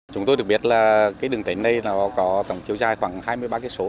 chúng tôi được biết là cái đường tỉnh này có tổng chiều dài khoảng hai mươi ba km